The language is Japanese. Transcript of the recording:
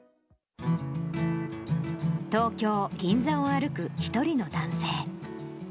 東京・銀座を歩く１人の男性。